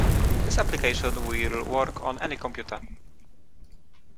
This application will work on any computer.